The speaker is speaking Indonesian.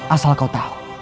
asal kau tahu